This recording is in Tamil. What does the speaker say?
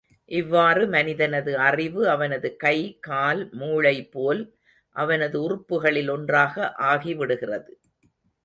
இவ்வாறு மனிதனது அறிவு அவனது கை, கால், மூளைபோல அவனது உறுப்புகளில் ஒன்றாக ஆகிவிடுகிறது.